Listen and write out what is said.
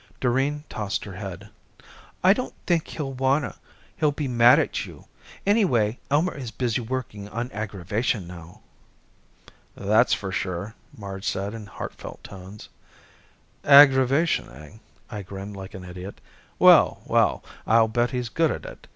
Doreen tossed her head. "I don't think he'll wanta. He'll be mad at you. Anyway, Elmer is busy working on aggravation now." "That's for sure!" Marge said in heartfelt tones. "Aggravation, eh?" I grinned like an idiot. "Well, well! I'll bet he's good at it.